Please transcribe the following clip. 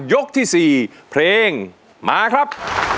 ยกที่๔เพลงมาครับ